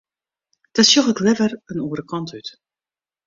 Dan sjoch ik leaver in oare kant út.